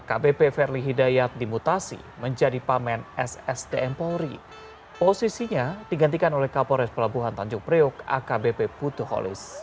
akbp verli hidayat dimutasi menjadi pemen ssdm polri posisinya digantikan oleh kapolres pelabuhan tanjung priok akbp putuholis